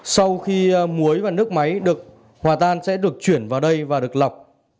sau khi muối và nước máy được hòa tan sẽ được chuyển vào đây và được lọc